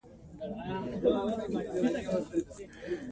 ځمکه د افغانستان د کلتوري میراث برخه ده.